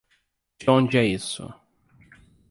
De onde é isso?